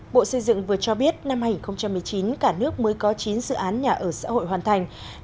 bộ xây dựng vừa cho biết năm hai nghìn một mươi chín cả nước mới có chín dự án nhà ở xã hội hoàn thành